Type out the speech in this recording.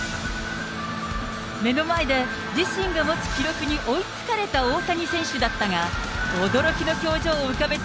目の前で自身が持つ記録に追いつかれた大谷選手だったが、驚きの表情を浮かべた